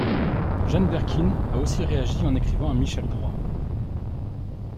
Jane Birkin a aussi réagi en écrivant à Michel Droit.